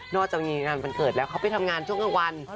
จากมีงานวันเกิดแล้วเขาไปทำงานช่วงกลางวัน